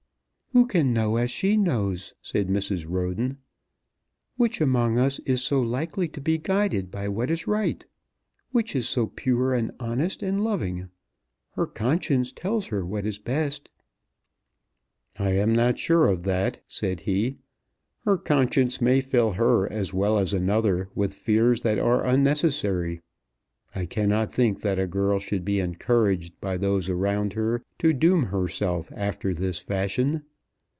"Who can know as she knows?" said Mrs. Roden. "Which among us is so likely to be guided by what is right? Which is so pure, and honest, and loving? Her conscience tells her what is best." "I am not sure of that," said he. "Her conscience may fill her as well as another with fears that are unnecessary. I cannot think that a girl should be encouraged by those around her to doom herself after this fashion.